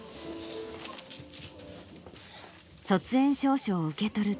卒園証書を受け取ると。